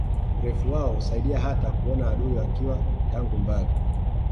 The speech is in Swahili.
Urefu wao husaidia hata kuona adui wakiwa tangu mbali